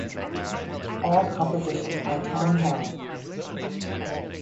All compositions by Tom Harrell